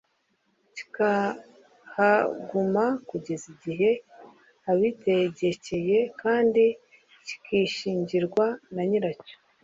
kikahaguma kugeza igihe abitegekeye kandi kikishingirwa na nyiracyo